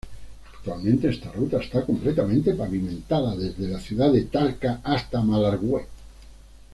Actualmente, esta ruta está completamente pavimentada, desde la ciudad de Talca hasta Malargüe.